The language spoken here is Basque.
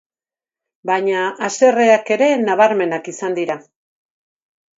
Baina haserreak ere bnabarmenak izan dira.